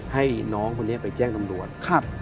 ให้น้องคนนี้ไปแจ้งตำรวจ